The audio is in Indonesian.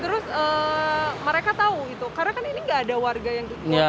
terus mereka tahu itu karena kan ini nggak ada warga yang gitu